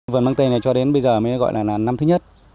vườn măng tây này cho đến bây giờ mới gọi là năm thứ nhất